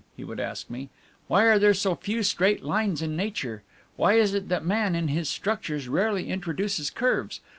he would ask me. "Why are there so few straight lines in nature? Why is it that man, in his structures, rarely introduces curves?